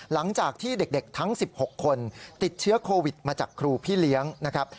หลังจากที่เด็กทั้ง๑๖คนติดเชื้อโควิดมาจากครูพี่เลี้ยงนะครับ